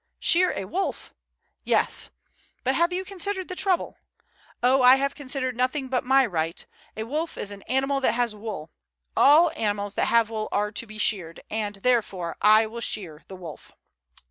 shear a wolf? Yes. But have you considered the trouble? Oh, I have considered nothing but my right. A wolf is an animal that has wool; all animals that have wool are to be sheared; and therefore I will shear the wolf."